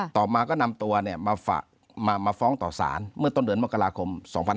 ต่อมาก็นำตัวมาฟ้องต่อสารเมื่อต้นเดือนมกราคม๒๕๖๒